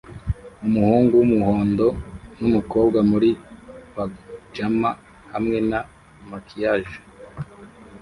Umuhungu wumuhondo numukobwa muri pajama hamwe na maquillage